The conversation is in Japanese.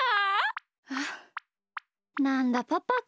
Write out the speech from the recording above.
あっなんだパパか。